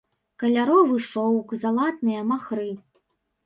Каляровы шоўк, залатныя махры.